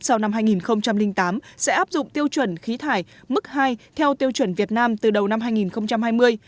sau năm hai nghìn tám sẽ áp dụng tiêu chuẩn khí thải mức hai theo tiêu chuẩn việt nam từ đầu năm hai nghìn hai mươi